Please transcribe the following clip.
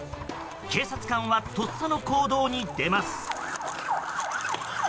警察官はとっさの行動に出ます。